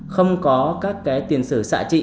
không có các tiền sử xạ trị